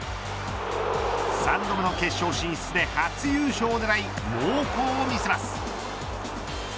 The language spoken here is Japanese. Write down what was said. ３度目の決勝進出で初優勝を狙い猛攻を見せます。